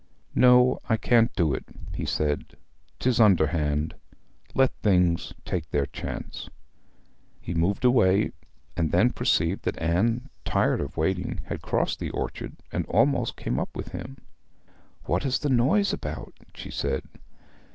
'No; I can't do it,' he said. ''Tis underhand. Let things take their chance.' He moved away, and then perceived that Anne, tired of waiting, had crossed the stream, and almost come up with him. 'What is the noise about?' she said.